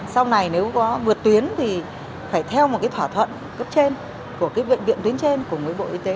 sau này nếu có vượt tuyến thì phải theo một thỏa thuận cấp trên của viện viện tuyến trên của bộ y tế